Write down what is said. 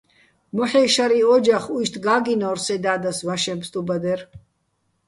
მოჰ̦ე́ შარიჼ ო́ჯახ, უჲშტი̆ გა́გჲინორ სე და́დას ვაშეჼ ფსტუბადერ.